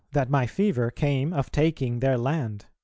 that my fever came of taking their land."